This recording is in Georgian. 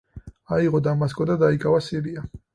აიღო დამასკო და დაიკავა სირია.